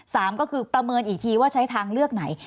สามก็คือประเมินอีกทีว่าใช้ทางเลือกไหน